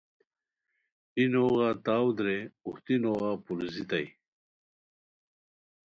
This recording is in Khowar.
ای نوغہ تاؤ درے اوہتی نوغہ پوروزیتائے